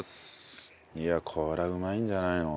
いやこれはうまいんじゃないの？